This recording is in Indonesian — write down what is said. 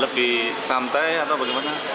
lebih santai atau bagaimana